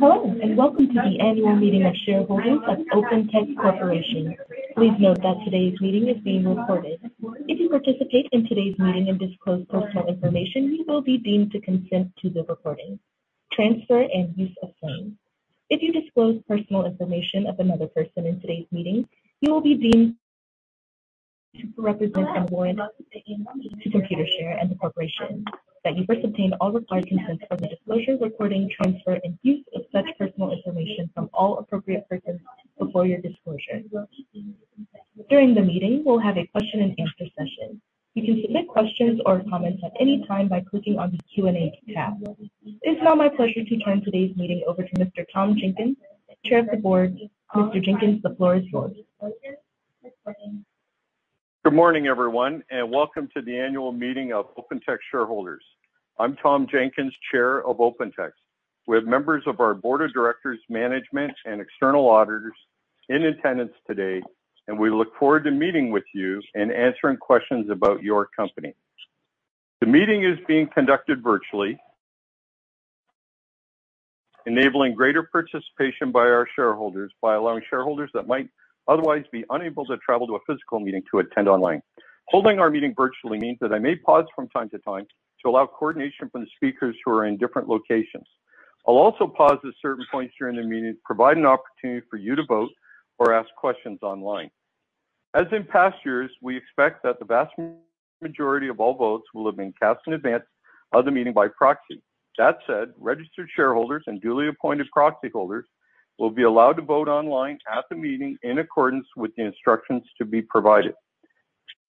Hello, and welcome to the Annual Meeting of Shareholders of OpenText Corporation. Please note that today's meeting is being recorded. If you participate in today's meeting and disclose personal information, you will be deemed to consent to the recording, transfer, and use of same. If you disclose personal information of another person in today's meeting, you will be deemed to represent and warrant to Computershare and the corporation that you first obtained all required consents for the disclosure, recording, transfer, and use of such personal information from all appropriate persons before your disclosure. During the meeting, we'll have a question and answer session. You can submit questions or comments at any time by clicking on the Q&A tab. It's now my pleasure to turn today's meeting over to Mr. Tom Jenkins, Chair of the Board. Mr. Jenkins, the floor is yours. Good morning, everyone, and welcome to the annual meeting of OpenText shareholders. I'm Tom Jenkins, Chair of OpenText. We have members of our board of directors, management, and external auditors in attendance today, and we look forward to meeting with you and answering questions about your company. The meeting is being conducted virtually, enabling greater participation by our shareholders by allowing shareholders that might otherwise be unable to travel to a physical meeting to attend online. Holding our meeting virtually means that I may pause from time to time to allow coordination from the speakers who are in different locations. I'll also pause at certain points during the meeting to provide an opportunity for you to vote or ask questions online. As in past years, we expect that the vast majority of all votes will have been cast in advance of the meeting by proxy. That said, registered shareholders and duly appointed proxy holders will be allowed to vote online at the meeting in accordance with the instructions to be provided.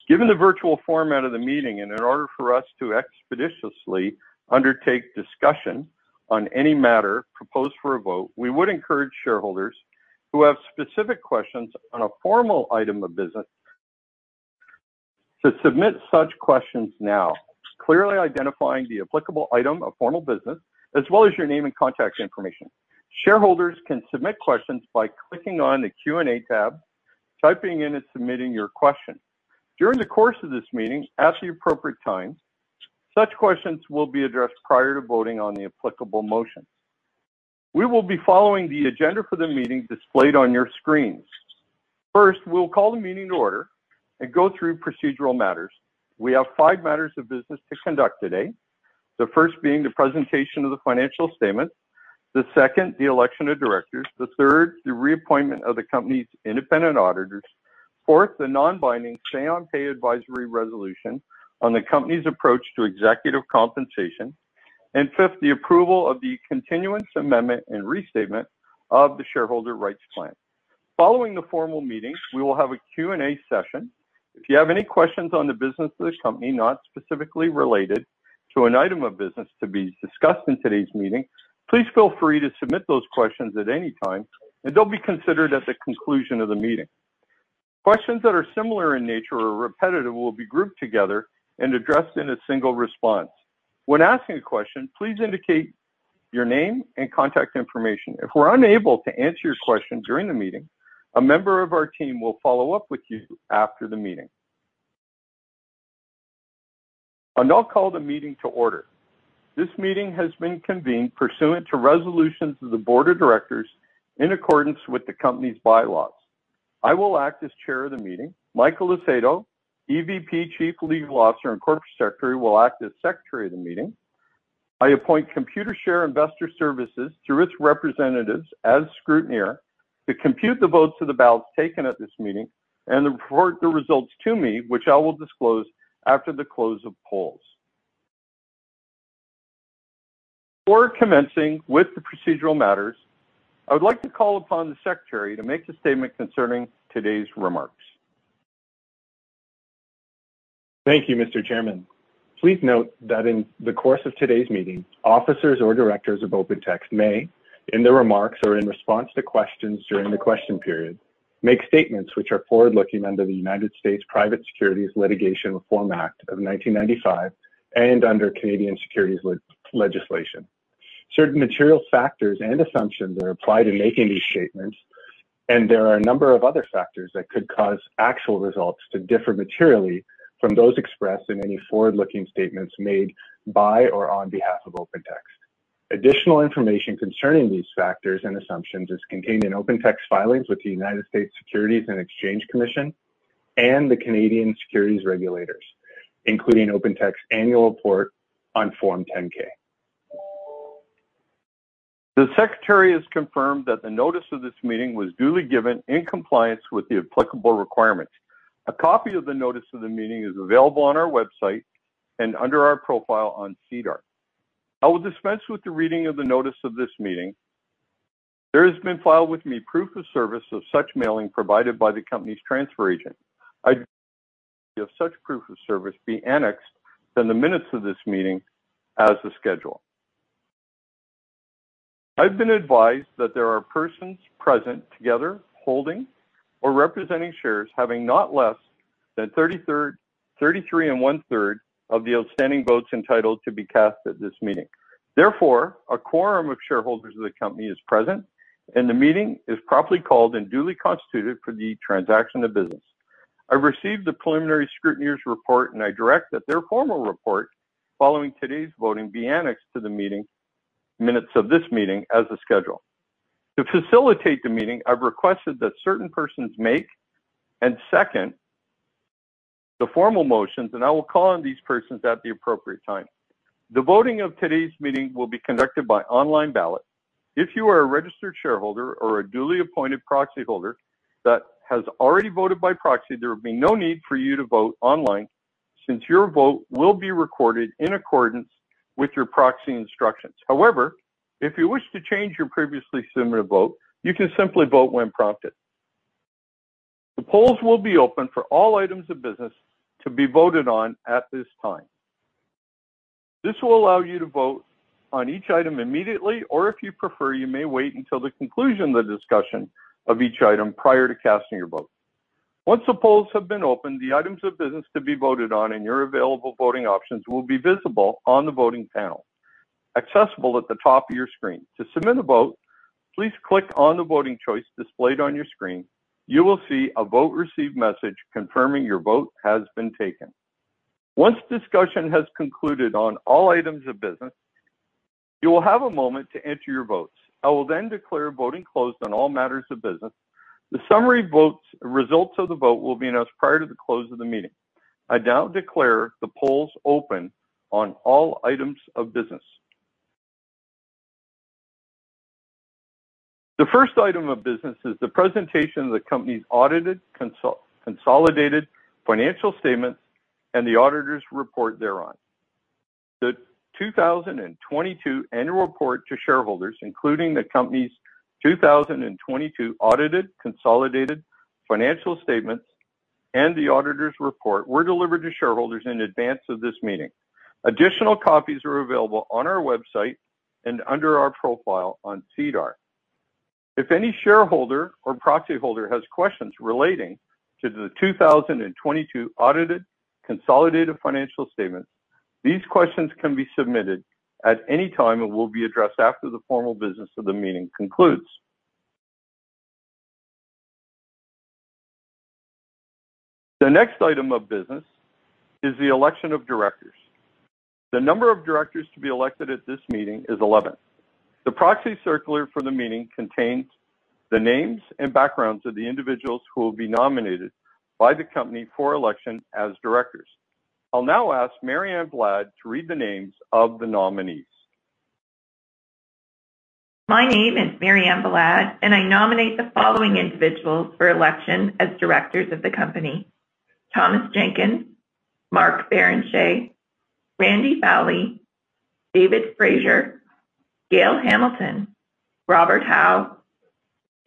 Given the virtual format of the meeting, and in order for us to expeditiously undertake discussion on any matter proposed for a vote, we would encourage shareholders who have specific questions on a formal item of business to submit such questions now, clearly identifying the applicable item of formal business as well as your name and contact information. Shareholders can submit questions by clicking on the Q&A tab, typing in, and submitting your question. During the course of this meeting, at the appropriate time, such questions will be addressed prior to voting on the applicable motion. We will be following the agenda for the meeting displayed on your screens. First, we will call the meeting to order and go through procedural matters. We have five matters of business to conduct today. The first being the presentation of the financial statement. The second, the election of directors. The third, the reappointment of the company's independent auditors. Fourth, the non-binding say on pay advisory resolution on the company's approach to executive compensation. Fifth, the approval of the continuance amendment and restatement of the shareholder rights plan. Following the formal meeting, we will have a Q&A session. If you have any questions on the business of this company, not specifically related to an item of business to be discussed in today's meeting, please feel free to submit those questions at any time, and they'll be considered at the conclusion of the meeting. Questions that are similar in nature or repetitive will be grouped together and addressed in a single response. When asking a question, please indicate your name and contact information. If we're unable to answer your question during the meeting, a member of our team will follow up with you after the meeting. I now call the meeting to order. This meeting has been convened pursuant to resolutions of the board of directors in accordance with the company's bylaws. I will act as chair of the meeting. Michael Acedo, EVP, Chief Legal Officer, and Corporate Secretary, will act as Secretary of the meeting. I appoint Computershare Investor Services through its representatives as scrutineer to compute the votes of the ballots taken at this meeting and to report the results to me, which I will disclose after the close of polls. Before commencing with the procedural matters, I would like to call upon the Secretary to make a statement concerning today's remarks. Thank you, Mr. Chairman. Please note that in the course of today's meeting, officers or directors of OpenText may, in their remarks or in response to questions during the question period, make statements which are forward-looking under the United States Private Securities Litigation Reform Act of 1995 and under Canadian securities legislation. Certain material factors and assumptions are applied in making these statements, and there are a number of other factors that could cause actual results to differ materially from those expressed in any forward-looking statements made by or on behalf of OpenText. Additional information concerning these factors and assumptions is contained in OpenText filings with the United States Securities and Exchange Commission and the Canadian Securities Regulators, including OpenText annual report on Form 10-K. The secretary has confirmed that the notice of this meeting was duly given in compliance with the applicable requirements. A copy of the notice of the meeting is available on our website and under our profile on SEDAR. I will dispense with the reading of the notice of this meeting. There has been filed with me proof of service of such mailing provided by the company's transfer agent. If such proof of service be annexed in the minutes of this meeting as the schedule. I've been advised that there are persons present together holding or representing shares having not less than 33 and 1/3 of the outstanding votes entitled to be cast at this meeting. Therefore, a quorum of shareholders of the company is present, and the meeting is properly called and duly constituted for the transaction of business. I received the preliminary scrutineer's report, and I direct that their formal report following today's voting be annexed to the minutes of this meeting as a schedule. To facilitate the meeting, I've requested that certain persons make and second the formal motions, and I will call on these persons at the appropriate time. The voting of today's meeting will be conducted by online ballot. If you are a registered shareholder or a duly appointed proxy holder that has already voted by proxy, there will be no need for you to vote online since your vote will be recorded in accordance with your proxy instructions. However, if you wish to change your previously submitted vote, you can simply vote when prompted. The polls will be open for all items of business to be voted on at this time. This will allow you to vote on each item immediately, or if you prefer, you may wait until the conclusion of the discussion of each item prior to casting your vote. Once the polls have been opened, the items of business to be voted on and your available voting options will be visible on the voting panel accessible at the top of your screen. To submit a vote, please click on the voting choice displayed on your screen. You will see a Vote Received message confirming your vote has been taken. Once discussion has concluded on all items of business, you will have a moment to enter your votes. I will then declare voting closed on all matters of business. The summary vote results of the vote will be announced prior to the close of the meeting. I now declare the polls open on all items of business. The first item of business is the presentation of the company's audited consolidated financial statements and the auditors' report thereon. The 2022 annual report to shareholders, including the company's 2022 audited consolidated financial statements and the auditors' report, were delivered to shareholders in advance of this meeting. Additional copies are available on our website and under our profile on SEDAR. If any shareholder or proxy holder has questions relating to the 2022 audited consolidated financial statements, these questions can be submitted at any time and will be addressed after the formal business of the meeting concludes. The next item of business is the election of directors. The number of directors to be elected at this meeting is 11. The proxy circular for the meeting contains the names and backgrounds of the individuals who will be nominated by the company for election as directors. I'll now ask Mary Ann Valad to read the names of the nominees. My name is Mary Ann Valad, and I nominate the following individuals for election as directors of the company. Thomas Jenkins, Mark Barrenechea, Randy Fowlie, David Fraser, Gail Hamilton, Robert Hau,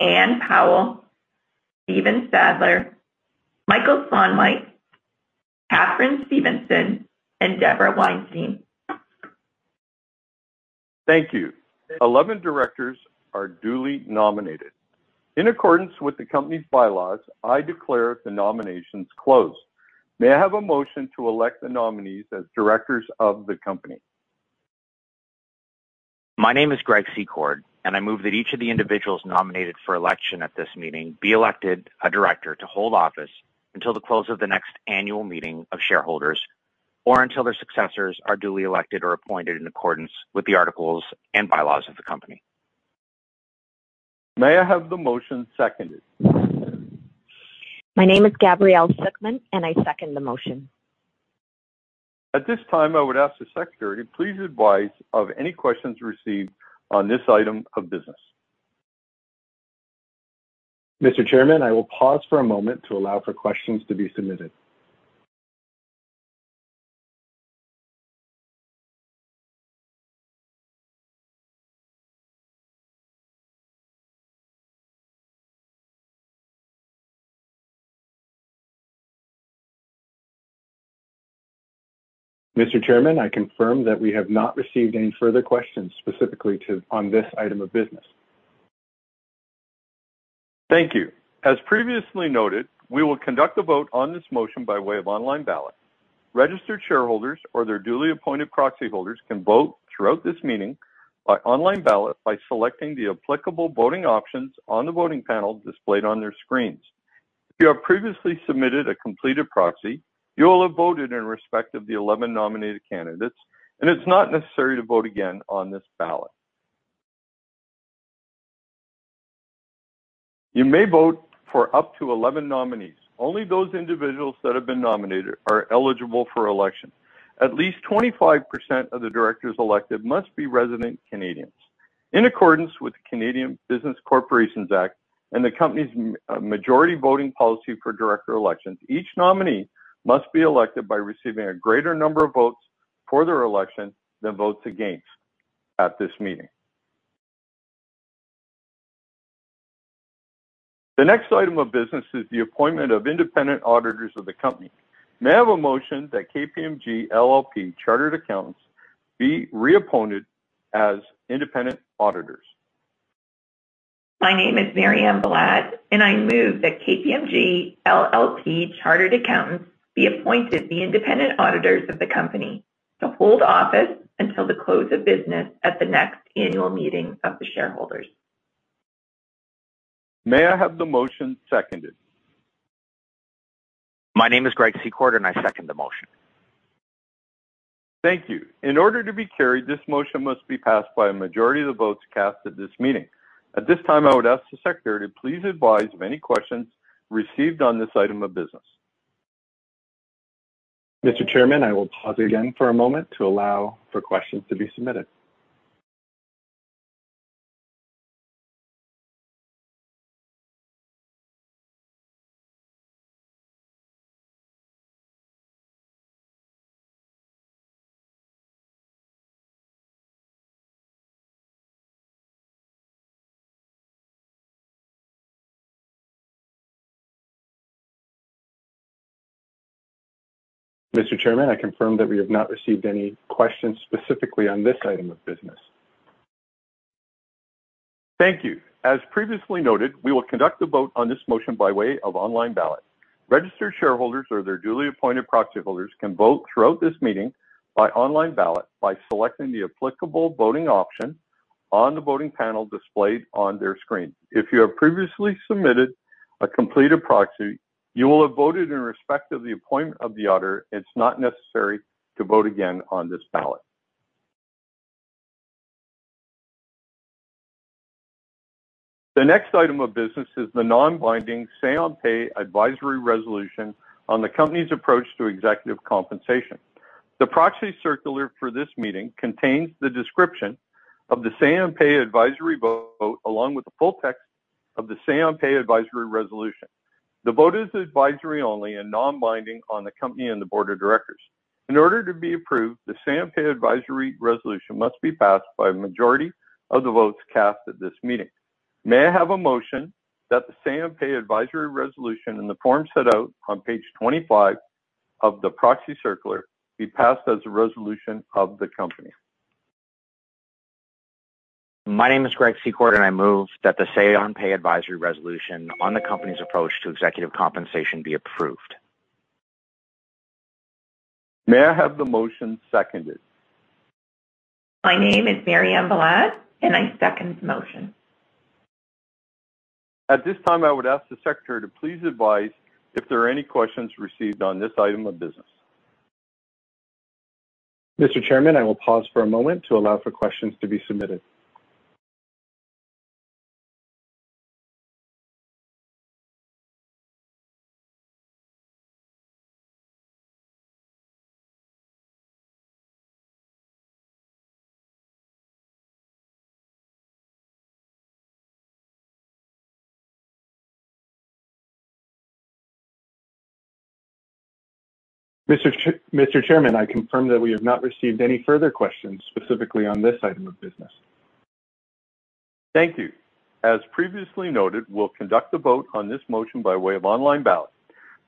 Ann Powell, Stephen J. Sadler, Michael Swanwhite, Katharine B. Stevenson, and Deborah Weinstein. Thank you. 11 directors are duly nominated. In accordance with the company's bylaws, I declare the nominations closed. May I have a motion to elect the nominees as directors of the company? My name is Greg Secord, and I move that each of the individuals nominated for election at this meeting be elected a director to hold office until the close of the next annual meeting of shareholders or until their successors are duly elected or appointed in accordance with the articles and bylaws of the company. May I have the motion seconded? My name is Gabrielle Sukman, and I second the motion. At this time, I would ask the secretary to please advise of any questions received on this item of business. Mr. Chairman, I will pause for a moment to allow for questions to be submitted. Mr. Chairman, I confirm that we have not received any further questions specifically on this item of business. Thank you. As previously noted, we will conduct the vote on this motion by way of online ballot. Registered shareholders or their duly appointed proxy holders can vote throughout this meeting by online ballot by selecting the applicable voting options on the voting panel displayed on their screens. If you have previously submitted a completed proxy, you will have voted in respect of the 11 nominated candidates, and it's not necessary to vote again on this ballot. You may vote for up to 11 nominees. Only those individuals that have been nominated are eligible for election. At least 25% of the directors elected must be resident Canadians. In accordance with the Canadian Business Corporations Act and the company's majority voting policy for director elections, each nominee must be elected by receiving a greater number of votes for their election than votes against at this meeting. The next item of business is the appointment of independent auditors of the company. May I have a motion that KPMG LLP Chartered Accountants be reappointed as independent auditors? My name is Mary Ann Valad, and I move that KPMG LLP Chartered Accountants be appointed the independent auditors of the company to hold office until the close of business at the next annual meeting of the shareholders. May I have the motion seconded? My name is Greg Secord, and I second the motion. Thank you. In order to be carried, this motion must be passed by a majority of the votes cast at this meeting. At this time, I would ask the Secretary to please advise of any questions received on this item of business. Mr. Chairman, I will pause again for a moment to allow for questions to be submitted. Mr. Chairman, I confirm that we have not received any questions specifically on this item of business. Thank you. As previously noted, we will conduct the vote on this motion by way of online ballot. Registered shareholders or their duly appointed proxy holders can vote throughout this meeting by online ballot by selecting the applicable voting option on the voting panel displayed on their screen. If you have previously submitted a completed proxy, you will have voted in respect of the appointment of the auditor. It's not necessary to vote again on this ballot. The next item of business is the non-binding say on pay advisory resolution on the company's approach to executive compensation. The proxy circular for this meeting contains the description of the say on pay advisory vote, along with the full text of the say on pay advisory resolution. The vote is advisory only and non-binding on the company and the board of directors. In order to be approved, the say on pay advisory resolution must be passed by a majority of the votes cast at this meeting. May I have a motion that the say on pay advisory resolution in the form set out on page 25 of the proxy circular be passed as a resolution of the company? My name is Greg Secord, and I move that the say on pay advisory resolution on the company's approach to executive compensation be approved. May I have the motion seconded? My name is Mary Ann Valad, and I second the motion. At this time, I would ask the Secretary to please advise if there are any questions received on this item of business. Mr. Chairman, I will pause for a moment to allow for questions to be submitted. Mr. Chairman, I confirm that we have not received any further questions specifically on this item of business. Thank you. As previously noted, we'll conduct the vote on this motion by way of online ballot.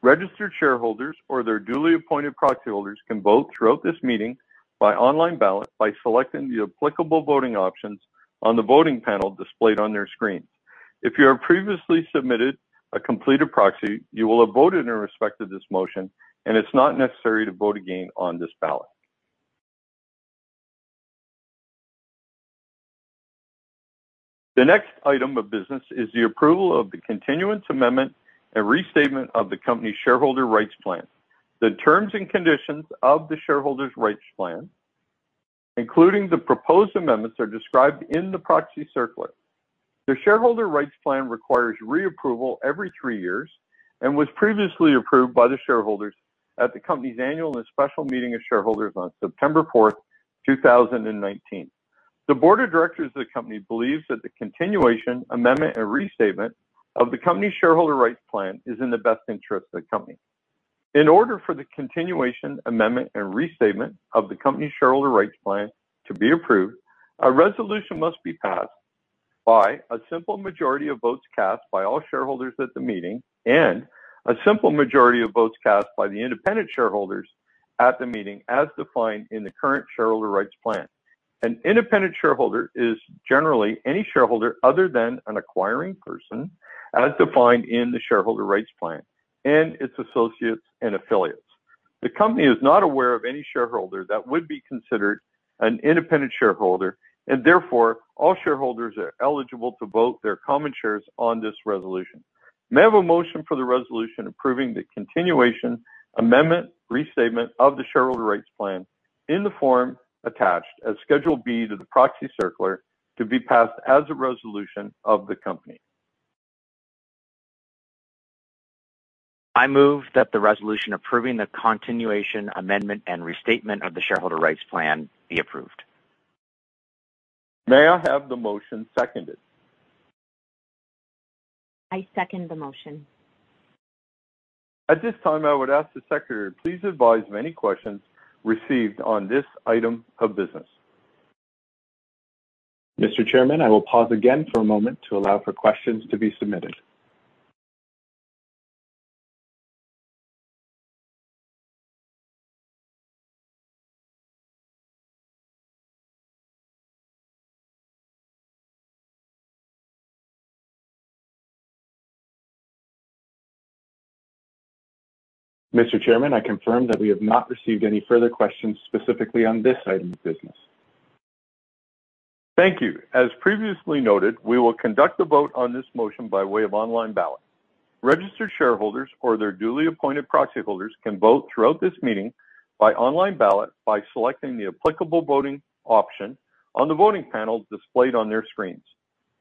Registered shareholders or their duly appointed proxy holders can vote throughout this meeting by online ballot by selecting the applicable voting options on the voting panel displayed on their screens. If you have previously submitted a completed proxy, you will have voted in respect to this motion, and it's not necessary to vote again on this ballot. The next item of business is the approval of the continuance, amendment, and restatement of the company's shareholder rights plan. The terms and conditions of the shareholder rights plan, including the proposed amendments, are described in the proxy circular. The shareholder rights plan requires reapproval every three years and was previously approved by the shareholders at the company's annual and special meeting of shareholders on September 4th, 2019. The board of directors of the company believes that the continuation, amendment, and restatement of the company's shareholder rights plan is in the best interest of the company. In order for the continuation, amendment, and restatement of the company's shareholder rights plan to be approved, a resolution must be passed by a simple majority of votes cast by all shareholders at the meeting and a simple majority of votes cast by the independent shareholders at the meeting, as defined in the current shareholder rights plan. An independent shareholder is generally any shareholder other than an acquiring person, as defined in the shareholder rights plan, and its associates and affiliates. The company is not aware of any shareholder that would be considered an independent shareholder, and therefore, all shareholders are eligible to vote their common shares on this resolution. May I have a motion for the resolution approving the continuation, amendment, restatement of the shareholder rights plan in the form attached as Schedule B to the proxy circular to be passed as a resolution of the company? I move that the resolution approving the continuation, amendment, and restatement of the shareholder rights plan be approved. May I have the motion seconded? I second the motion. At this time, I would ask the Secretary to please advise of any questions received on this item of business. Mr. Chairman, I will pause again for a moment to allow for questions to be submitted. Mr. Chairman, I confirm that we have not received any further questions specifically on this item of business. Thank you. As previously noted, we will conduct the vote on this motion by way of online ballot. Registered shareholders or their duly appointed proxy holders can vote throughout this meeting by online ballot by selecting the applicable voting option on the voting panel displayed on their screens.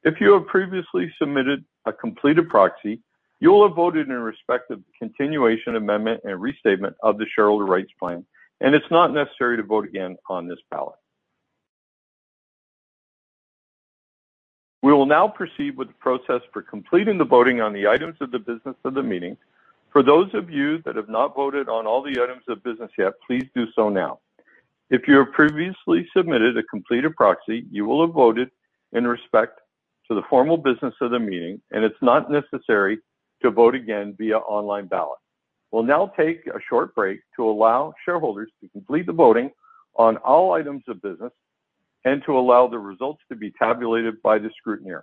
If you have previously submitted a completed proxy, you will have voted in respect of continuation, amendment, and restatement of the shareholder rights plan, and it's not necessary to vote again on this ballot. We will now proceed with the process for completing the voting on the items of the business of the meeting. For those of you that have not voted on all the items of business yet, please do so now. If you have previously submitted a completed proxy, you will have voted in respect to the formal business of the meeting, and it's not necessary to vote again via online ballot. We'll now take a short break to allow shareholders to complete the voting on all items of business and to allow the results to be tabulated by the scrutineer.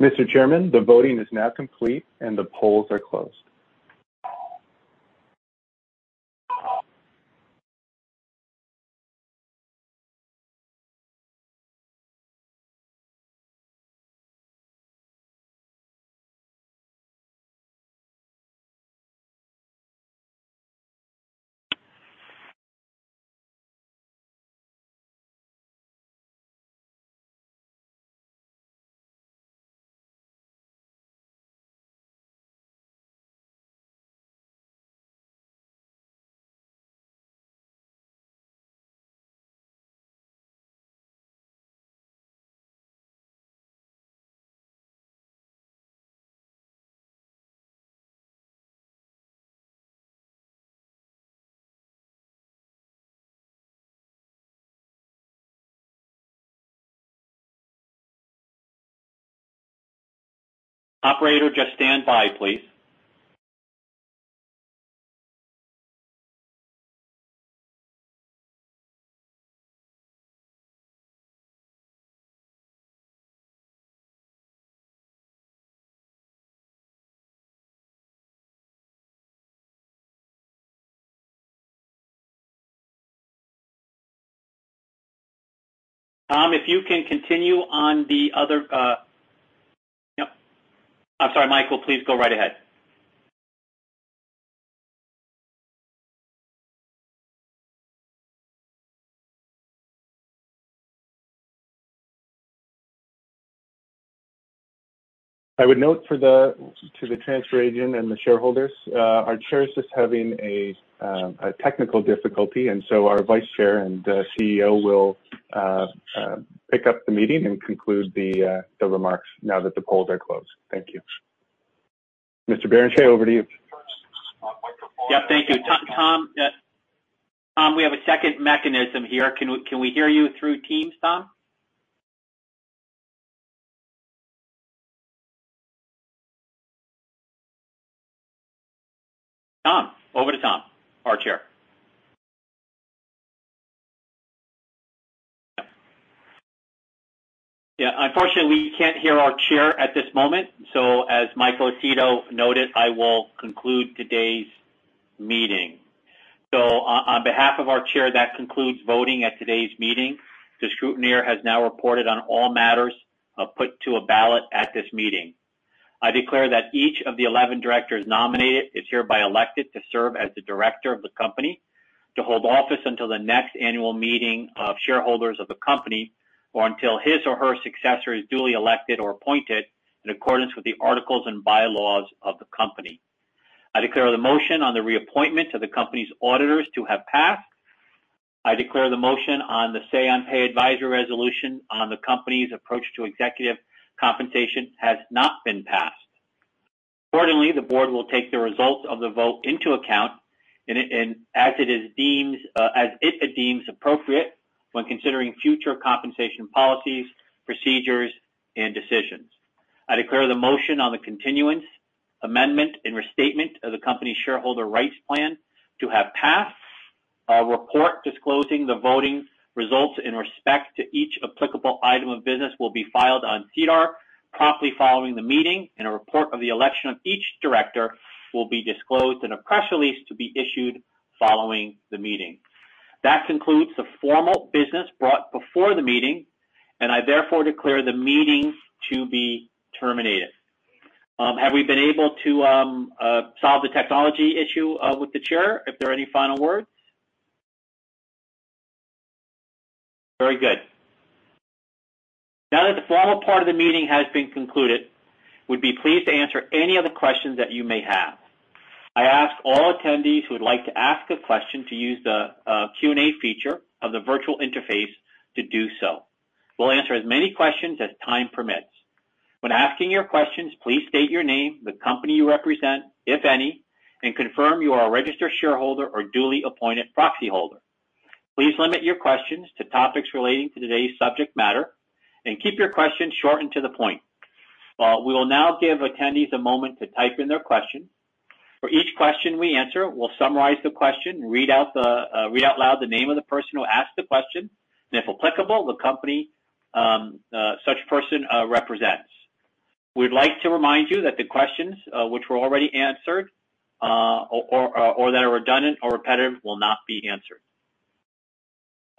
Mr. Chairman, the voting is now complete, and the polls are closed. Operator, just stand by, please. Tom, if you can continue on the other. Yep. I'm sorry, Michael, please go right ahead. I would note to the transfer agent and the shareholders, our chair is just having a technical difficulty, and so our vice chair and CEO will pick up the meeting and conclude the remarks now that the polls are closed. Thank you. Mr. Barrenechea, over to you. Yep, thank you. Tom, we have a second mechanism here. Can we hear you through Teams, Tom? Tom. Over to Tom, our Chair. Yeah, unfortunately, we can't hear our Chair at this moment, so as Michael Acedo noted, I will conclude today's meeting. On behalf of our Chair, that concludes voting at today's meeting. The scrutineer has now reported on all matters put to a ballot at this meeting. I declare that each of the 11 directors nominated is hereby elected to serve as the director of the company, to hold office until the next annual meeting of shareholders of the company, or until his or her successor is duly elected or appointed in accordance with the articles and bylaws of the company. I declare the motion on the reappointment of the company's auditors to have passed. I declare the motion on the say on pay advisory resolution on the company's approach to executive compensation has not been passed. Accordingly, the board will take the results of the vote into account as it deems appropriate when considering future compensation policies, procedures, and decisions. I declare the motion on the continuance, amendment, and restatement of the company's shareholder rights plan to have passed. Our report disclosing the voting results in respect to each applicable item of business will be filed on SEDAR promptly following the meeting, and a report of the election of each director will be disclosed in a press release to be issued following the meeting. That concludes the formal business brought before the meeting, and I therefore declare the meeting to be terminated. Have we been able to solve the technology issue with the chair? If there are any final words? Very good. Now that the formal part of the meeting has been concluded, we'd be pleased to answer any of the questions that you may have. I ask all attendees who would like to ask a question to use the Q&A feature of the virtual interface to do so. We'll answer as many questions as time permits. When asking your questions, please state your name, the company you represent, if any, and confirm you are a registered shareholder or duly appointed proxyholder. Please limit your questions to topics relating to today's subject matter and keep your questions short and to the point. We will now give attendees a moment to type in their question. For each question we answer, we'll summarize the question, read out loud the name of the person who asked the question, and if applicable, the company such person represents. We'd like to remind you that the questions which were already answered or that are redundant or repetitive will not be answered.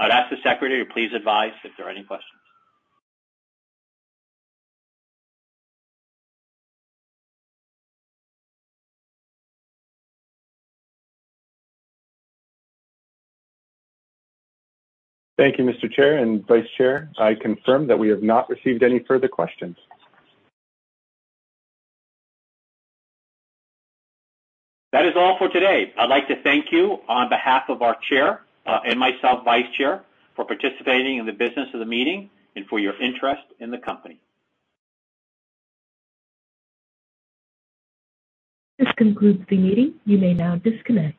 I'd ask the secretary to please advise if there are any questions. Thank you, Mr. Chair and Vice Chair. I confirm that we have not received any further questions. That is all for today. I'd like to thank you on behalf of our Chair and myself, Vice Chair, for participating in the business of the meeting and for your interest in the company. This concludes the meeting. You may now disconnect.